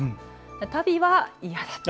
足袋は嫌だった。